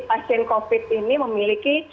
pasien covid ini memiliki